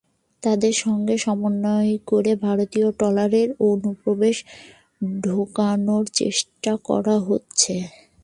তাঁদের সঙ্গে সমন্বয় করে ভারতীয় ট্রলারের অনুপ্রবেশ ঠেকানোর চেষ্টা করা হচ্ছে।